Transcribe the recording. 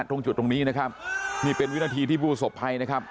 ตรงจุดตรงนี้นะครับนี่เป็นวินาทีที่ผู้สบภัยนะครับ